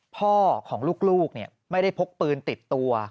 พ่อของลูกไม่ได้พกปืนติดตัว